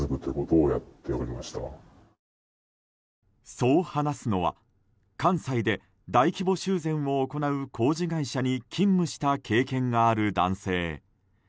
そう話すのは関西で大規模修繕を行う工事会社に勤務した経験がある男性。